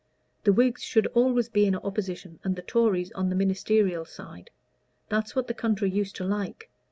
The Whigs should always be in opposition, and the Tories on the ministerial side. That's what the country used to like.